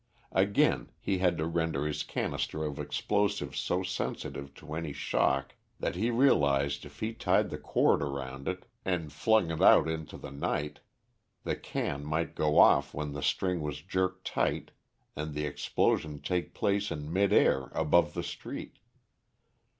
Again, he had to render his canister of explosive so sensitive to any shock that he realised if he tied the cord around it and flung it out into the night the can might go off when the string was jerked tight and the explosion take place in mid air above the street.